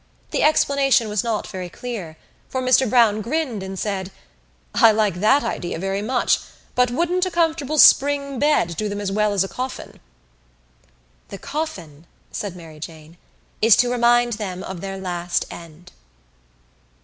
The explanation was not very clear for Mr Browne grinned and said: "I like that idea very much but wouldn't a comfortable spring bed do them as well as a coffin?" "The coffin," said Mary Jane, "is to remind them of their last end."